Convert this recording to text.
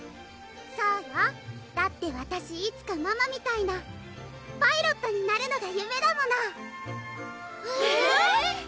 そうよだってわたしいつかママみたいなパイロットになるのが夢だものえぇ？